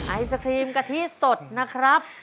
ไอศครีมกะทิสดนะครับ